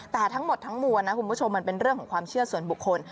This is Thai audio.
แต่ทั้งหมดทั้งมวลนะคุณผู้ชมมันเป็นเรื่องของความเชื่อส่วนบุคคล